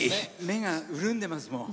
目が潤んでますもん。